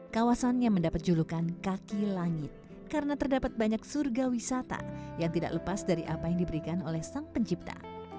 kawasannya mendapat julukan kaki langit karena terdapat banyak surga wisata yang tidak lepas dari apa yang diberikan oleh sang pencipta